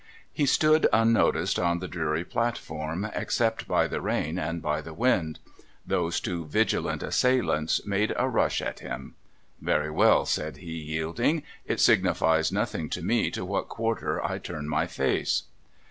He stood unnoticed on the dreary platform, except by the rain and by the wind. Those two vigilant assailants made a rush at him. ' Very well,' said he, yielding. ' It signifies nothing to me to what quarter I turn my face.'